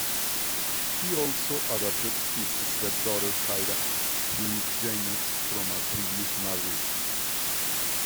He also adopted his step-daughter Kyra, who is Jana's from a previous marriage.